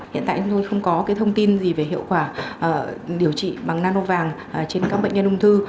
hiện tại chúng tôi không có thông tin gì về hiệu quả điều trị bằng nano vàng trên các bệnh nhân ung thư